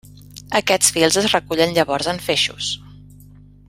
Aquests fils es recullen llavors en feixos.